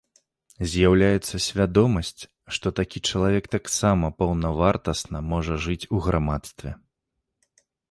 З'яўляецца свядомасць, што такі чалавек таксама паўнавартасна можа жыць у грамадстве.